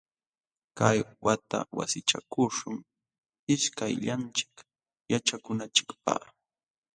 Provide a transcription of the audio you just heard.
Kay wata wasichakuśhun ishkayllanchik yaćhakunanchikpaq.